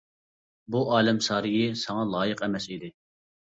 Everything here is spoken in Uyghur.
بۇ ئالەم سارىيى ساڭا لايىق ئەمەس ئىدى.